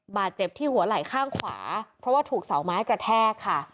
บาดเจ็บที่หัวไหล่ข้างขวาเพราะว่าถูกเสาไม้กระแทกค่ะ